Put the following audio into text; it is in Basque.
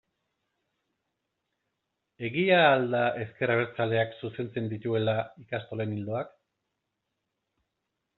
Egia al da ezker abertzaleak zuzentzen dituela ikastolen ildoak?